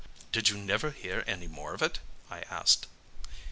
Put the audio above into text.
"Did you never hear any more of it?" I asked.